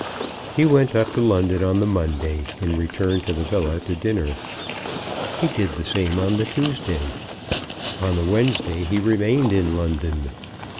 He went up to London on the Monday, and returned to the villa to dinner. He did the same on the Tuesday. On the Wednesday he remained in London.